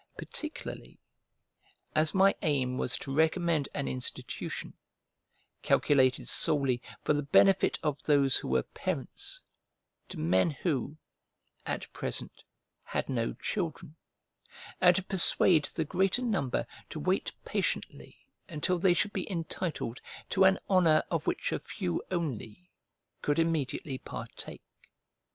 Particularly, as my aim was to recommend an institution, calculated solely for the benefit of those who were parents to men who, at present, had no children; and to persuade the greater number to wait patiently until they should be entitled to an honour of which a few only could immediately partake.